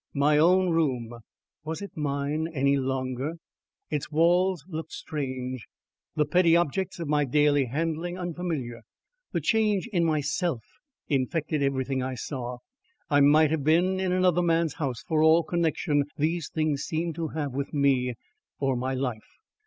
My own room! Was it mine any longer? Its walls looked strange; the petty objects of my daily handling, unfamiliar. The change in myself infected everything I saw. I might have been in another man's house for all connection these things seemed to have with me or my life.